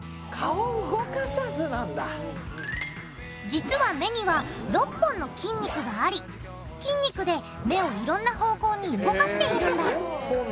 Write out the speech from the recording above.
実は目には６本の筋肉があり筋肉で目をいろんな方向に動かしているんだ。